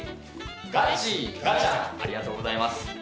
ありがとうございます。